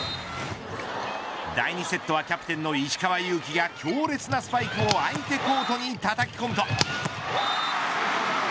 第２セットはキャプテンの石川祐希が強烈なスパイクを相手コートにたたき込むと。